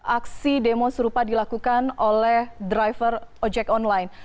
aksi demo serupa dilakukan oleh driver ojek online